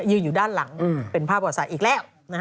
อยู่ด้านหลังเป็นภาพประวัติศาสตร์อีกแล้ว